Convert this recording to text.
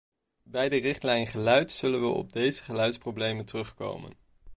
Bij de richtlijn geluid zullen we op deze geluidsproblemen terugkomen.